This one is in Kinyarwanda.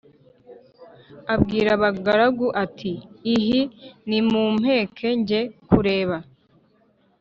Abwira abagaragu ati: "Ihi, nimumpeke njye kureba.